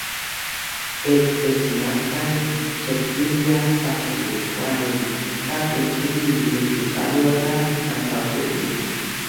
ერთ-ერთი მათგანი შეცვლილია, სახეზე თვალები და ტუჩები ვერტიკალურადაა განთავსებული.